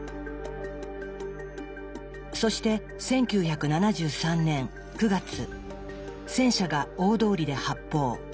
そして１９７３年９月戦車が大通りで発砲。